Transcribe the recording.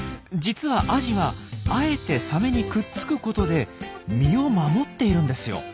実はアジはあえてサメにくっつくことで身を守っているんですよ。